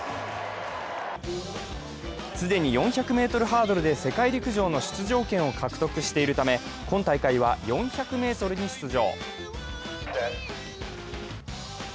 既に４００ｍハードルで世界陸上の出場権を獲得しているため、今大会は４００ｍに出場。